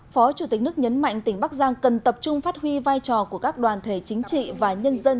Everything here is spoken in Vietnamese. phó chủ tịch nước nhấn mạnh tỉnh bắc giang cần tập trung phát huy vai trò của các đoàn thể chính trị và nhân dân